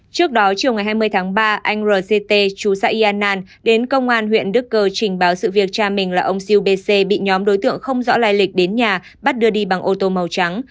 trước đó chiều ngày hai mươi tháng ba anh rct chú xã yên nan đến công an huyện đức cơ trình báo sự việc cha mình là ông siêu b c bị nhóm đối tượng không rõ lai lịch đến nhà bắt đưa đi bằng ô tô màu trắng